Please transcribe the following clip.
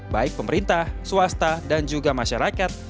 baik pemerintah swasta dan juga masyarakat